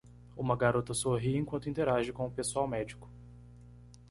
Uma garota sorri enquanto interage com o pessoal médico